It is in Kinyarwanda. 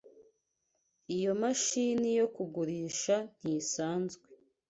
Iyo mashini yo kugurisha ntisanzwe.